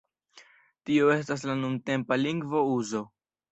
Tio estas la nuntempa lingvo-uzo.